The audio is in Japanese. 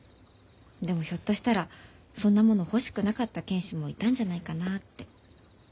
でもひょっとしたらそんなもの欲しくなかった犬士もいたんじゃないかなって。